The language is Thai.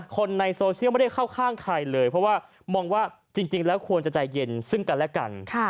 คนในโซเชียลไม่ได้เข้าข้างใครเลยเพราะว่ามองว่าจริงแล้วควรจะใจเย็นซึ่งกันและกัน